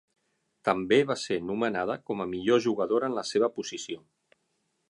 També va ser nomenada com a millor jugadora en la seva posició.